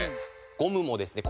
ゴムもですね